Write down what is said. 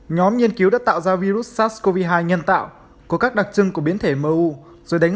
nhóm nghiên cứu đã tạo ra virus sars cov hai nhân tạo có các đặc trưng của biến thể mu rồi đánh